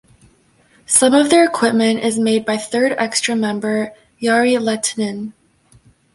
Some of their equipment is made by third "extra" member Jari Lehtinen.